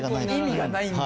意味がないんだ？